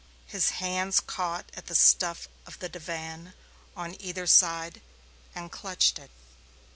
His hands caught at the stuff of the divan on either side and clutched it.